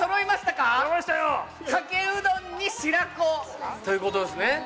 かけうどんに白子。ということですね。